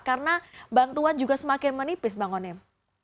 karena bantuan juga semakin menipis bang onim